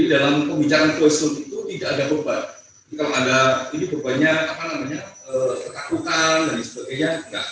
nah dalam pembicaraan voice note itu tidak ada beban ini kalau ada ini bukannya apa namanya ketakutan dan sebagainya tidak